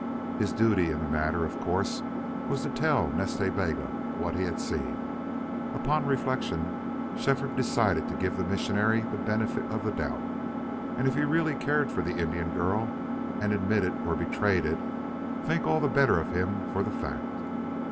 His duty in the matter, of course, was to tell Nas Ta Bega what he had seen. Upon reflection Shefford decided to give the missionary the benefit of a doubt; and if he really cared for the Indian girl, and admitted or betrayed it, to think all the better of him for the fact.